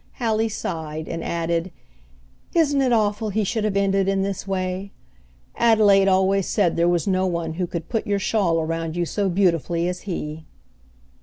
Hallie sighed, and added, "Isn't it awful he should have ended in this way? Adelaide always said there was no one who could put your shawl around you so beautifully as he."